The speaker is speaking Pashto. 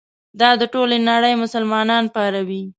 دا د ټولې نړۍ مسلمانان پاروي.